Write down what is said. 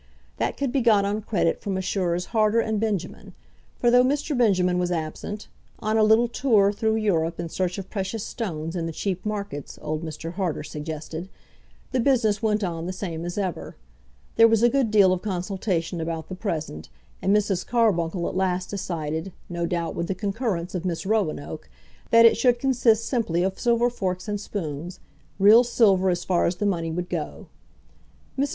That could be got on credit from Messrs. Harter and Benjamin; for though Mr. Benjamin was absent, on a little tour through Europe in search of precious stones in the cheap markets, old Mr. Harter suggested, the business went on the same as ever. There was a good deal of consultation about the present, and Mrs. Carbuncle at last decided, no doubt with the concurrence of Miss Roanoke, that it should consist simply of silver forks and spoons, real silver as far as the money would go. Mrs.